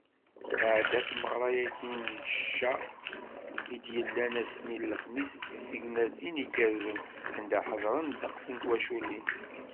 Tɛedda tmeɣra-agi n cca i d-yellan ass-nni n lexmis deg tegnatin igerrzen, anda ḥeḍrent ddeqs n twaculin.